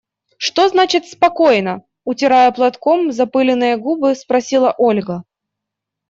– Что значит «спокойно»? – утирая платком запыленные губы, спросила Ольга.